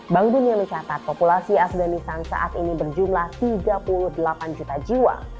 bank dunia mencatat populasi afganistan saat ini berjumlah tiga puluh delapan juta jiwa